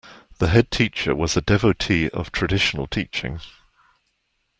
The headteacher was a devotee of traditional teaching